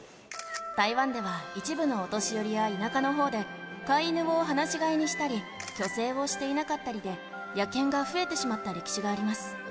台湾では一部のお年寄りや田舎のほうで、飼い犬を放し飼いにしたり、去勢をしていなかったりで、野犬が増えてしまった歴史があります。